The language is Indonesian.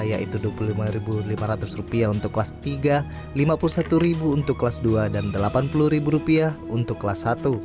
yaitu rp dua puluh lima lima ratus untuk kelas tiga rp lima puluh satu untuk kelas dua dan rp delapan puluh untuk kelas satu